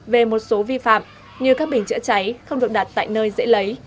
về một số vi phạm như các bình chữa cháy không được đặt tại nơi dễ lấy